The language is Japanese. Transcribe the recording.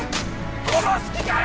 殺す気かよ